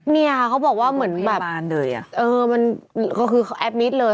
เนี่ยค่ะเขาบอกว่าเหมือนแบบเออมันก็คือเขาแอดมิตรเลย